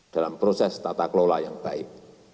dalam proses tata kelola yang baik